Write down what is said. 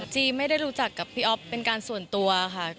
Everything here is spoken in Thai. ไม่ได้รู้จักกับพี่อ๊อฟเป็นการส่วนตัวค่ะ